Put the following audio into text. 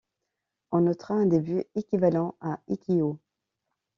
On notera un début équivalent à ikkyō.